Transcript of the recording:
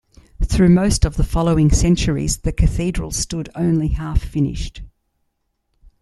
Through most of the following centuries, the cathedral stood only half-finished.